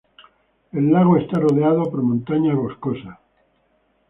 El lago está rodeado por montañas boscosas.